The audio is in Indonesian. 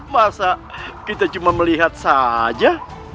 masa kita cuma melihat saja